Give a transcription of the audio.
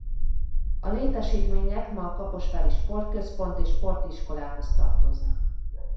A létesítmények ma a Kaposvári Sportközpont és Sportiskolához tartoznak.